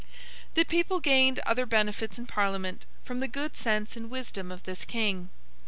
The people gained other benefits in Parliament from the good sense and wisdom of this King.